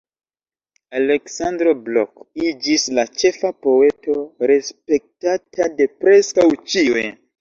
Aleksandro Blok iĝis la ĉefa poeto, respektata de preskaŭ ĉiuj.